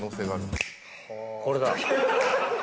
これだ。